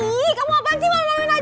ih kamu apaan sih malah main aja tau gak